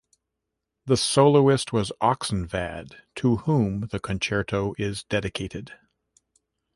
The soloist was Oxenvad, to whom the Concerto is dedicated.